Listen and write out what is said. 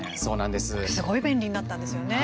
すごい便利になったんですよね。